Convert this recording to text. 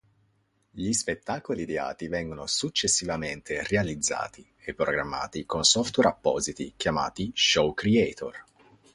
Gli spettacoli ideati vengono successivamente realizzati e programmati con software appositi, chiamati Show Creator.